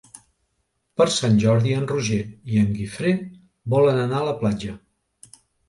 Per Sant Jordi en Roger i en Guifré volen anar a la platja.